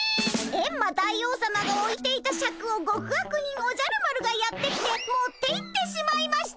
エンマ大王さまがおいていたシャクを極悪人おじゃる丸がやって来て持っていってしまいました！